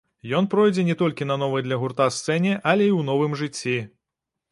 Ён пройдзе не толькі на новай для гурта сцэне, але і ў новым жыцці.